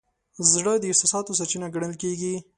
زړه د احساساتو سرچینه ګڼل کېږي.